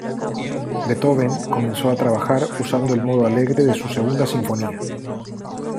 Beethoven comenzó a trabajar, usando el modo alegre de su Segunda Sinfonía.